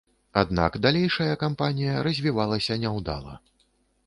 Аднак далейшая кампанія развівалася няўдала.